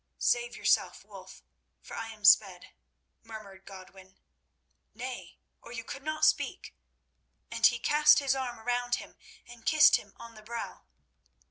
"Save yourself, Wulf, for I am sped," murmured Godwin. "Nay, or you could not speak." And he cast his arm round him and kissed him on the brow.